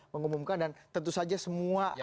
mengumumkan dan tentu saja semua